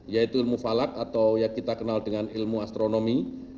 yaitu ilmu falak atau yang kita kenal dengan ilmu astronomi